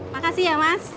makasih ya mas